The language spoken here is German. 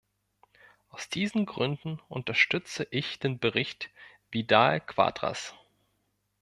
Aus diesen Gründen unterstütze ich den Bericht Vidal-Quadras.